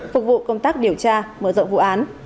phục vụ công tác điều tra mở rộng vụ án